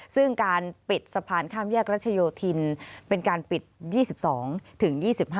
ซึ่งการปิดสะพานข้ามแยกรัชโยธินเป็นการปิด๒๒ถึง๒๕